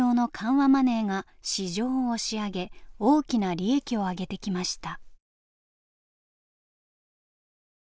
マネーが市場を押し上げ大きな利益を上げてきました。